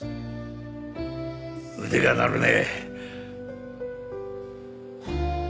腕が鳴るね。